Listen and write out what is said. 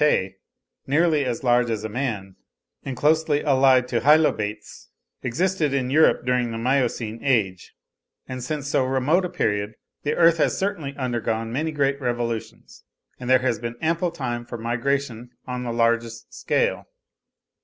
of Lartet, nearly as large as a man, and closely allied to Hylobates, existed in Europe during the Miocene age; and since so remote a period the earth has certainly undergone many great revolutions, and there has been ample time for migration on the largest scale.